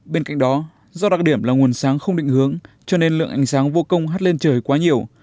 bên cạnh đó do đặc điểm là nguồn sáng không định hướng cho nên lượng ánh sáng vô công hắt lên trời quá nhiều